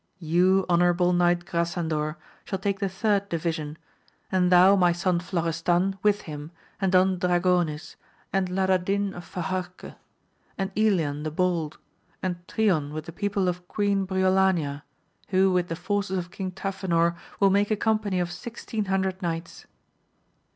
You honourable Knight Grasandor shall take the third division, and thou my son Florestan with him and Don Dragonis, and Lada din of Fajarque, and Elian the bold, and Trion with the people of Queen Briolania, who with the forces of King Tafinor will make a company of sixteen hundred knights.